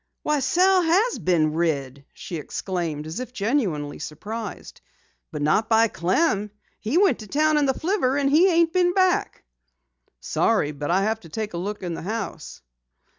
"Why Sal has been rid!" she exclaimed as if genuinely surprised. "But not by Clem. He went to town in the flivver, and he ain't been back." "Sorry, but I'll have to take a look in the house."